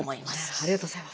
ありがとうございます。